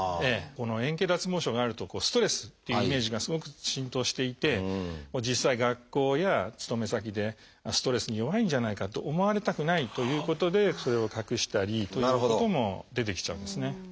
円形脱毛症があるとストレスっていうイメージがすごく浸透していて実際学校や勤め先でストレスに弱いんじゃないかと思われたくないということでそれを隠したりということも出てきちゃうんですね。